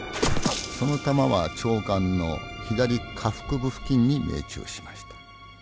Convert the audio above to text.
その弾は長官の左下腹部付近に命中しました。